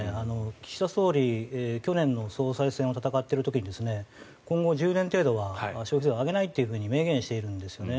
岸田総理、去年の総裁選を戦っている時に今後１０年程度は消費税を上げないと明言しているんですよね。